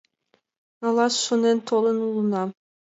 Налаш шонен толын улына.